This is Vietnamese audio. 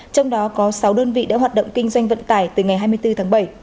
trong đó có sáu đơn vị đã hoạt động kinh doanh vận tải từ ngày hai mươi bốn tháng bảy